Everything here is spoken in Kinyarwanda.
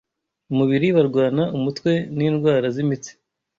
umubiri barwara umutwe n’indwara z’imitsi